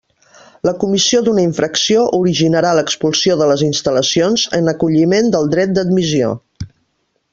La comissió d'una infracció originarà l'expulsió de les instal·lacions, en acolliment del dret d'admissió.